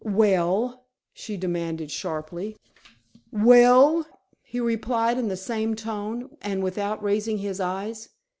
"Well?" she demanded sharply. "Well?" he replied in the same tone, and without raising his eyes.